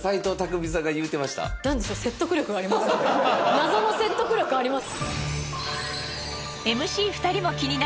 謎の説得力あります。